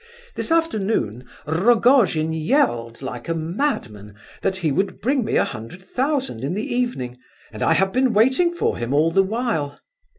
This afternoon Rogojin yelled, like a madman, that he would bring me a hundred thousand in the evening, and I have been waiting for him all the while.